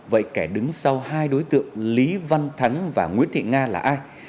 vậy kẻ đứng sau hai đối tượng lý văn thắng và nguyễn thị nga là ai